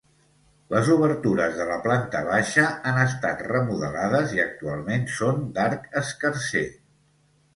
Les obertures de la planta baixa han estat remodelades i actualment són d'arc escarser.